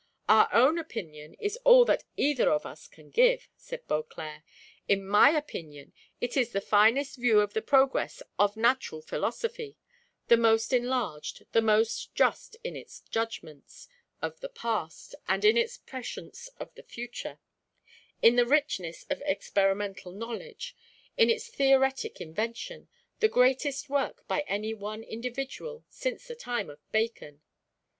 "Our own opinion is all that either of us can give," said Beauclerc; "in my opinion it is the finest view of the progress of natural philosophy, the most enlarged, the most just in its judgments of the past, and in its prescience of the future; in the richness of experimental knowledge, in its theoretic invention, the greatest work by any one individual since the time of Bacon."